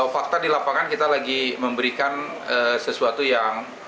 fakta di lapangan kita lagi memberikan sesuatu yang